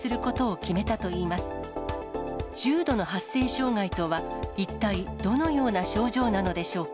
障害とは一体どのような症状なのでしょうか。